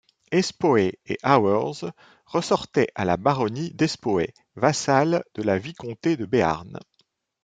Espoey et Hours ressortaient à la baronnie d'Espoey, vassale de la vicomté de Béarn.